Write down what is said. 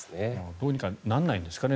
どうにかならないんですかね。